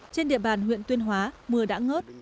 trên địa bàn huyện tuyên hóa mưa đã ngớt